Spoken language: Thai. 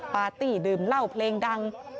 ปาร์ตี้ดื่มเหล้าเพลงดัง